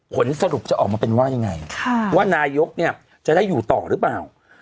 ผลสรุปจะออกมาเป็นว่ายังไงว่านายกเนี่ยจะได้อยู่ต่อหรือเปล่า